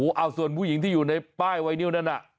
เอาส่วนผู้หญิงที่อยู่ในป้ายไวนิวนั่นน่ะ